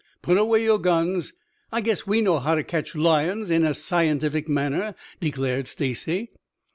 "Put away your guns. I guess we know how to catch lions in a scientific manner," declared Stacy.